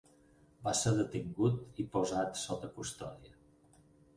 Va ser detingut i posat sota custòdia.